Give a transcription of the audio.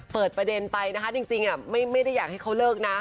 เปิดประเด็นไปนะคะจริงไม่ได้อยากให้เขาเลิกนะ